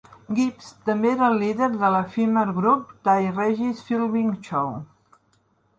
Gibbs també era el líder de l'efímer grup "That Regis Philbin Show".